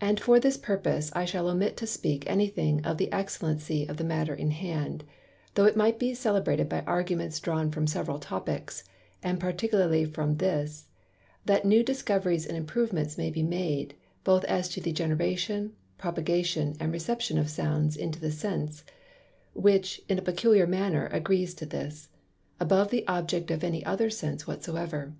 And for this purpose I shall omit to speak any thing of the Excellency of the Matter in Hand; though it might be celebrated by Arguments drawn from several Topicks, and particularly from this, that new Discoveries and Improvements may be made, both as to the Generation, Propagation and Reception of Sounds into the Sense; which, in a peculiar manner agrees to this, above the Object of any other Sense whatsoever.